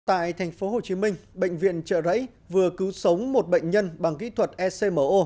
tại tp hcm bệnh viện trợ rẫy vừa cứu sống một bệnh nhân bằng kỹ thuật ecmo